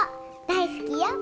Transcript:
大好きよ。